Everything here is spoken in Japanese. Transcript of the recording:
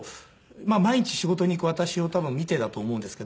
まあ毎日仕事に行く私を多分見てだと思うんですけど。